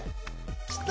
きた！